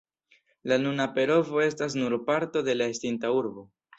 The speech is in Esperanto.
La nuna Perovo estas nur parto de la estinta urbo.